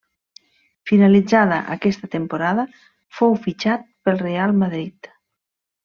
Finalitzada aquesta temporada fou fitxat pel Reial Madrid.